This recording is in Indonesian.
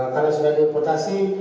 karena sudah di depokasi